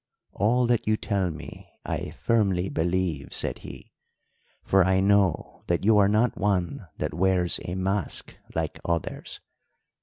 "'All that you tell me I firmly believe,' said he, 'for I know that you are not one that wears a mask like others.